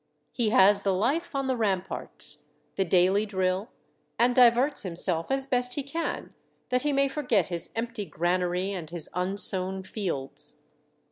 He has the life on the ramparts, the daily drill, and diverts himself as best he can, that he may forget his empty granary, and his unsown fields.